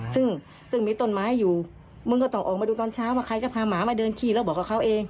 ซึ่งมีต้นไม้อยู่มึงก็ต้องออกมาดูตอนเช้าว่าใครก็พาหมามาเดินขี้แล้วบอกกับเขาเอง